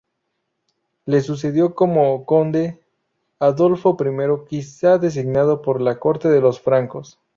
Le sucedió como conde Adolfo I, quizás designado por la corte de los Francos.